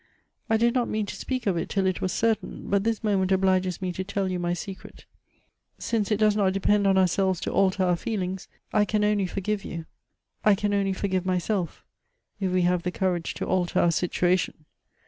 I did not mean to speak of it till it was certain : but this moment obliges me to tell you my secret Since it does not depend on ourselves to alter our feelings, I can only forgive you, I can only Elective Affinities. 109 forgive myself, if we have the courage to alter our situa tion."